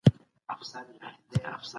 ایا ته کافي خوب کوې؟